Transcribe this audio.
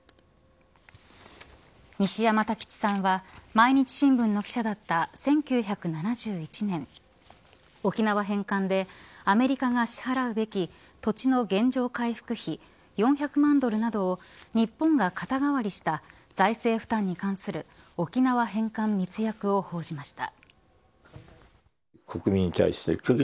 西山太吉さんは毎日新聞の記者だった１９７１年沖縄返還でアメリカが支払うべき土地の原状回復費４００万ドルなどを日本が肩代わりした財政負担に関する沖縄返還密約を報じました。